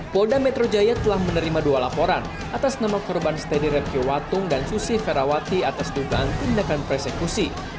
polda metro jaya telah menerima dua laporan atas nama korban stedir repki watung dan susi ferawati atas dugaan tindakan persekusi